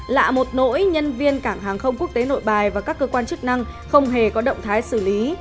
lạ một nỗi nhân viên cảng hàng không quốc tế nội bài và các cơ quan chức năng không hề có động thái xử lý